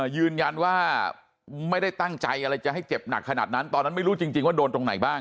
ยืนยันว่าไม่ได้ตั้งใจอะไรจะให้เจ็บหนักขนาดนั้นตอนนั้นไม่รู้จริงว่าโดนตรงไหนบ้าง